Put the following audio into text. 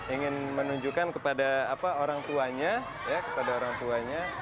ingin menunjukkan kepada orang tuanya